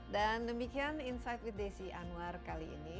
dan demikian insight with desi anwar kali ini